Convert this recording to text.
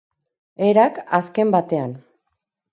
Erak, azken batean.